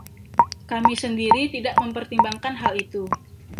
Kami sendiri tidak mempertimbangkan hal itu.